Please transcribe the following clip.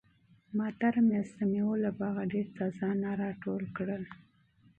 ما تېره میاشت د مېوو له باغه ډېر تازه انار راټول کړل.